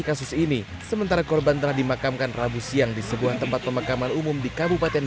kasus ini sementara korban telah dimakamkan rabu siang di sebuah tempat pemakaman umum di kabupaten